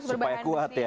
supaya kuat ya